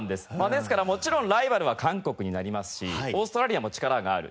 ですからもちろんライバルは韓国になりますしオーストラリアも力がある。